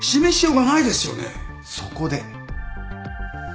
そこで。